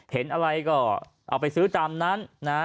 เห็นอะไรก็เอาไปซื้อตามนั้นนะ